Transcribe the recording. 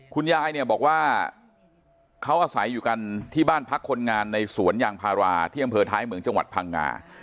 คุณยายเนี่ยบอกว่าเขาอาศัยอยู่กันที่บ้านพักคนงานในสวนยางพาราที่อำเภอท้ายเหมืองจังหวัดพังงา